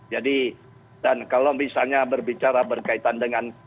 jadi dan kalau misalnya berbicara berkaitan dengan